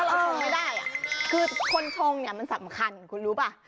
เราชงไม่ได้อ่ะคือคนชงเนี่ยมันสำคัญคุณรู้ป่ะ